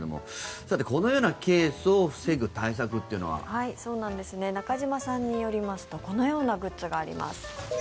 さて、このようなケースを防ぐような対策というのは。中島さんによりますとこのようなグッズがあります。